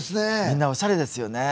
みんなおしゃれですよね。